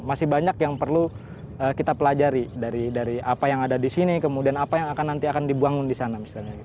masih banyak yang perlu kita pelajari dari apa yang ada di sini kemudian apa yang akan dibuang di sana